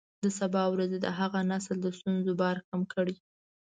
د سبا ورځې د هغه نسل د ستونزو بار کم کړئ.